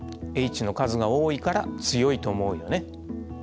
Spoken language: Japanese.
Ｈの数が多いから強いと思うよね。